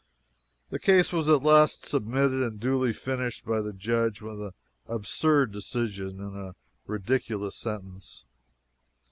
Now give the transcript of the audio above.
The case was at last submitted and duly finished by the judge with an absurd decision and a ridiculous sentence.